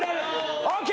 ＯＫ！